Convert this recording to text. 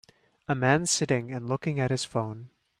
a man sitting and looking at his phone.